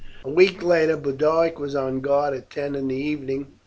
A week later Boduoc was on guard at ten in the evening.